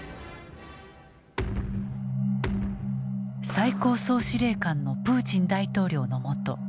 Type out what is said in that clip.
最高総司令官のプーチン大統領のもとショイグ国防相